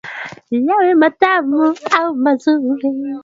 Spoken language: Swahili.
Kusini na Mashariki hasa Waitalia Wayahudi kutoka Milki ya Urusi